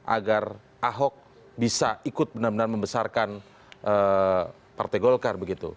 agar ahok bisa ikut benar benar membesarkan partai golkar begitu